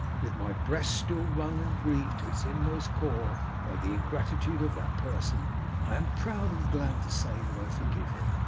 With my breast still wrung and grieved to its inmost core by the ingratitude of that person, I am proud and glad to say that I forgive him.